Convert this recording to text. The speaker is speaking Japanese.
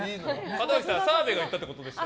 門脇さん澤部が言ったってことですか？